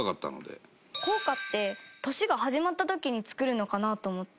芦田：硬貨って、年が始まった時に作るのかなと思って。